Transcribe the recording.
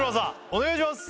お願いします！